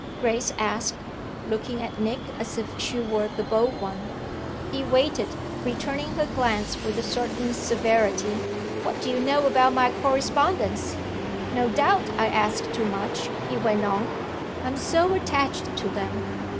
Grace asked, looking at Nick as if she were the bold one. He waited, returning her glance with a certain severity. "What do you know about my correspondence? No doubt I ask too much," he went on; "I'm so attached to them.